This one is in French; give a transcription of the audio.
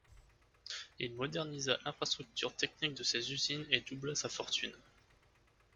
Il modernisa l'infrastructure technique de ses usines et doubla sa fortune.